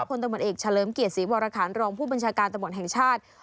ตำรวจเอกเฉลิมเกียรติศรีวรคารรองผู้บัญชาการตำรวจแห่งชาติ